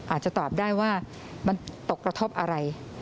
อาจจะตอบได้ว่ามันตกกระทบอะไร